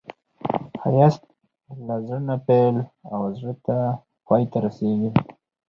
ښایست له زړه نه پیل او زړه ته پای ته رسېږي